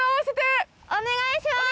お願いします！